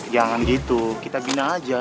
jangan gitu kita bina aja